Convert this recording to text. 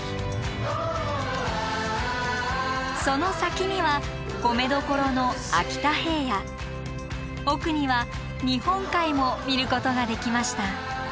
その先には米どころの秋田平野奥には日本海も見ることができました。